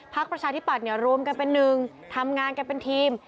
ประชาธิปัตย์รวมกันเป็นหนึ่งทำงานกันเป็นทีม